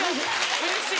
うれしい。